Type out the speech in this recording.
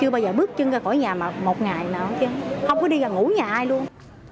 bao giờ bước chân ra khỏi nhà một ngày nào chứ không có đi ngủ nhà ai luôn